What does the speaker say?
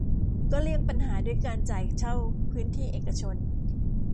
ก็เลี่ยงปัญหาด้วยการจ่ายเช่าพื้นที่เอกชน